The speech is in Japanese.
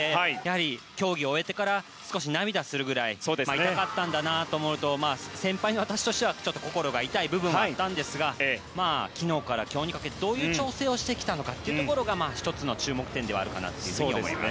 競技を終えてから少し涙するぐらい痛かったんだなと思うと先輩の私としては心が痛い部分があったんですが昨日から今日にかけてどういう調整をしてきたのかが１つの注目点だと思います。